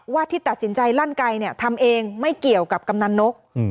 ที่ตัดสินใจลั่นไกลเนี่ยทำเองไม่เกี่ยวกับกำนันนก